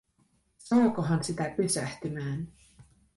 Saakohan sitä pysähtymään?